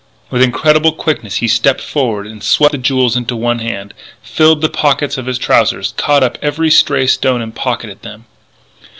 With incredible quickness he stepped forward and swept the jewels into one hand filled the pocket of his trousers, caught up every stray stone and pocketed them.